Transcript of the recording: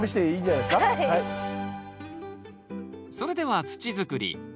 それでは土づくり。